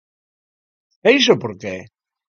E iso por que?